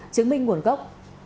chứng minh nguồn gốc